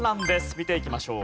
見ていきましょう。